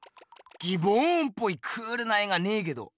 ギボーンっぽいクールな絵がねえけど。